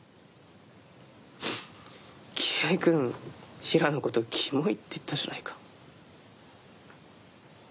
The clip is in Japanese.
清居君平良のこと「キモい」って言ったじゃないか。